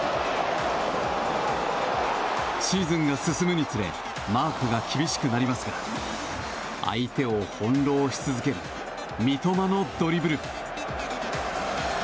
シーズンが進むにつれマークが厳しくなりますが相手を翻弄し続ける三笘のドリブル。